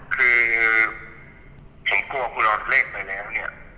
คือผมกลัวคุณเอาเลิกไปแล้วเนี่ย